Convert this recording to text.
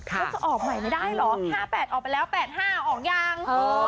แล้วจะออกใหม่ไม่ได้เหรอ๕๘ออกไปแล้ว๘๕ออกยัง